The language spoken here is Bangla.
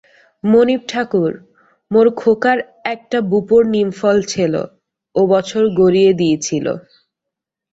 মনিব ঠাকুর, মোর খোকার একটা বুপোর নিমফল ছেল, ও বছর গড়িয়ে দিইছিল!